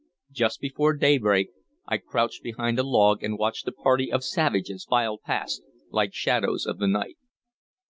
Just before daybreak, I crouched behind a log, and watched a party of savages file past like shadows of the night.